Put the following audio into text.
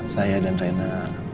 saya dan rena